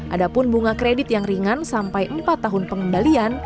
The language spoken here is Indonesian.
ada pun bunga kredit yang ringan sampai empat tahun pengembalian